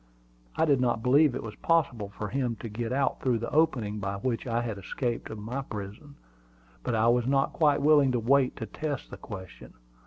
I did not believe it was possible for him to get out through the opening by which I had escaped from my prison; but I was not quite willing to wait to test the question.